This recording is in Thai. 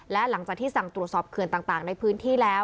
และหลังจากที่สั่งตรวจสอบเขื่อนต่างในพื้นที่แล้ว